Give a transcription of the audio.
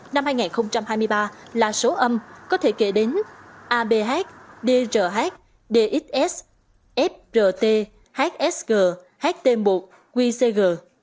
năm hai nghìn hai mươi ba là số âm có thể kể đến abh drh dxs frt hsg ht một qcg